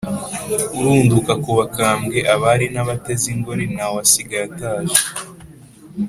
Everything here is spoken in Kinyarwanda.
Urunduka ku bakambwe Abari n’abateze ingori Nta wasigaye ataje,